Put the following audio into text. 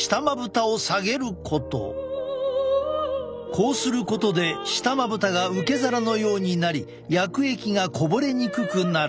こうすることで下まぶたが受け皿のようになり薬液がこぼれにくくなる。